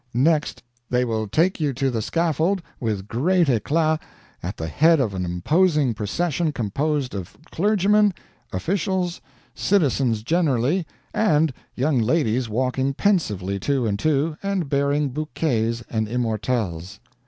Next, they will take you to the scaffold, with great éclat, at the head of an imposing procession composed of clergymen, officials, citizens generally, and young ladies walking pensively two and two, and bearing bouquets and immortelles.